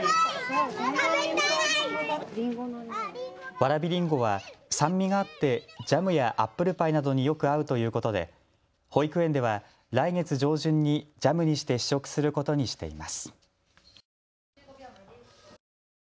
わらびりんごは酸味があってジャムやアップルパイなどによく合うということで保育園では来月上旬にジャムにして試食することにしています。